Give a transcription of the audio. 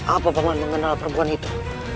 apa paman mengenal perempuan itu